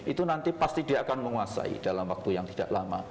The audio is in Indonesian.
itu nanti pasti dia akan menguasai dalam waktu yang tidak lama